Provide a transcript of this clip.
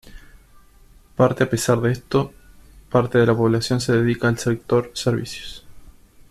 Parte a pesar de esto parte de la población se dedica al sector servicios.